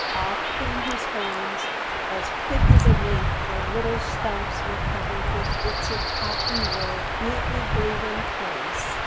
Off came his horns, as quick as a wink their little stumps were covered with bits of cotton wool neatly glued in place.